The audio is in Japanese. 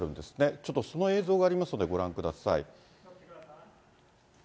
ちょっとその映像がありますので、ご覧ください。